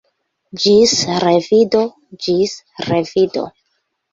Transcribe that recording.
Ĝis revido, ĝis revido!